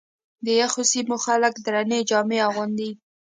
د یخو سیمو خلک درنې جامې اغوندي.